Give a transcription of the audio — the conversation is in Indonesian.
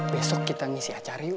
besok kita ngisi acara yuk